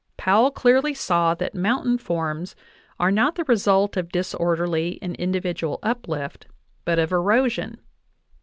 Powell clearly saw that mountain forms are not the result of disorderly and individual uplift, but of erosion.